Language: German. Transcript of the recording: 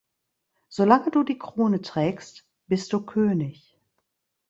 Solange du die Krone trägst, bist du König.